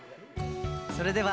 それでは